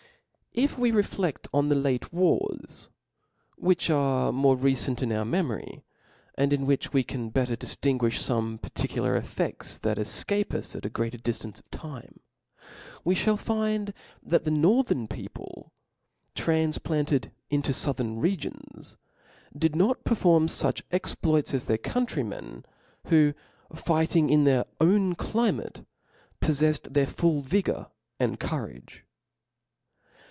If we re fledl on the late * wars, which are more recent in our memory, and in which we can better dif tingqi(h fome particulrr effeds that cfcape us at agreater diftance of time; we fhall find that the northern people tranfplanted into fouthern re gions j*, did not perform fuch exploits as their countrymen, who, fighting in their own climate, poff^ffed their full vigor and courage.